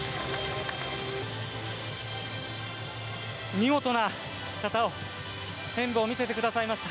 見事な形を演武を見せてくださいました。